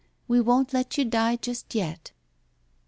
We won't let you die just yet."